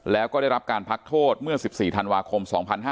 แล้วก็ได้รับการพักโทษเมื่อ๑๔ธันวาคม๒๕๕๙